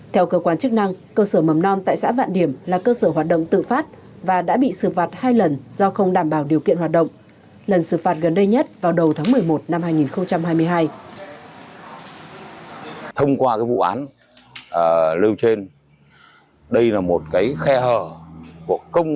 theo cơ quan chức năng cơ sở mầm non tại xã vương t urged các đối tượng tìm hiểu và kiểm tra vấn đoán